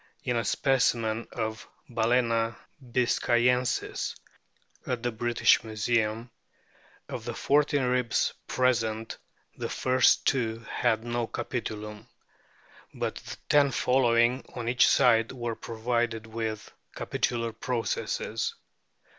In a specimen of Balccna biscayensis at the British Museum, of the fourteen ribs present the first two had no capitulum ; but the ten following on each side were provided with capitular processes.